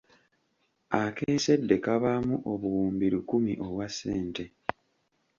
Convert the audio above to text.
Akeesedde kabaamu obuwumbi lukumi obwa ssente.